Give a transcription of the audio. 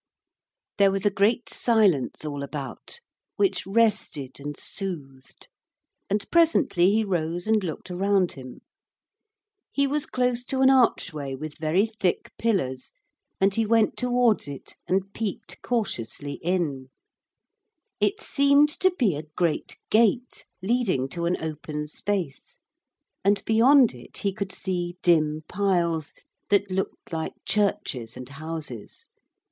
There was a great silence all about, which rested and soothed, and presently he rose and looked around him. He was close to an archway with very thick pillars, and he went towards it and peeped cautiously in. It seemed to be a great gate leading to an open space, and beyond it he could see dim piles that looked like churches and houses.